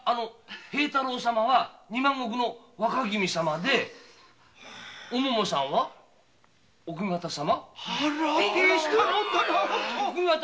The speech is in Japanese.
平太郎様は二万石の若君様でお桃さんは奥方様？